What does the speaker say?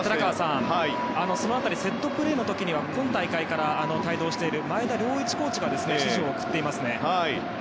その辺りセットプレーの時は今大会から帯同している前田遼一コーチが指示を送っていますね。